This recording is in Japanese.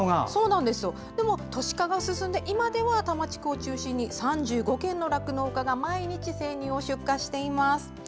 でも、都市化が進んで今では多摩地区を中心に３５軒の酪農家が毎日生乳を出荷しています。